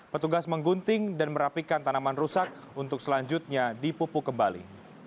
petugas menggunting dan merapikan tanaman rusak untuk selanjutnya dipupuk kembali